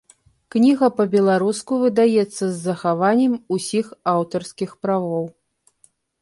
Кніга па-беларуску выдаецца з захаваннем усіх аўтарскіх правоў.